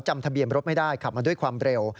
จำทะเบียนรถไม่ได้ขับมาด้วยความเร็ว